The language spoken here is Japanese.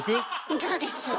そうです。